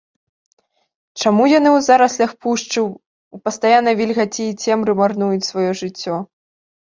Чаму яны ў зараслях пушчы, у пастаяннай вільгаці і цемры марнуюць сваё жыццё?!.